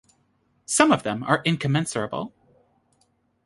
Some of them are incommensurable.